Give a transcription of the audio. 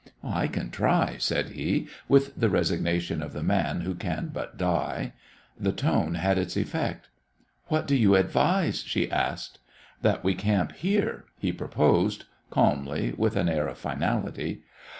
"I can try," said he, with the resignation of the man who can but die. The tone had its effect. "What do you advise?" she asked. "That we camp here," he proposed, calmly, with an air of finality.